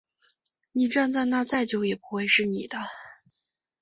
你站在那再久也不会是你的